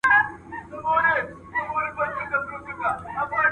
نن به یې د وراري خور پر شونډو نغمه وخاندي